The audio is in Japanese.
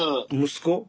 息子？